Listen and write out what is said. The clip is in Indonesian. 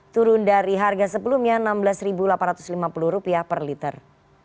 turun dari harga sebelumnya rp enam belas delapan ratus lima puluh per liter